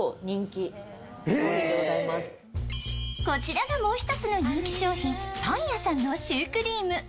こちらがもう一つの人気商品、パン屋さんのシュークリーム。